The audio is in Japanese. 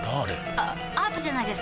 あアートじゃないですか？